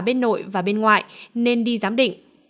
bên nội và bên ngoại nên đi giám định